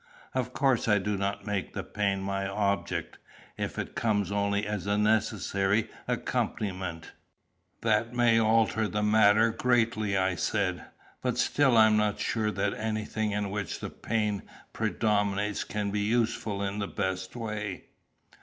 "Of course I do not make the pain my object." "If it comes only as a necessary accompaniment, that may alter the matter greatly," I said. "But still I am not sure that anything in which the pain predominates can be useful in the best way."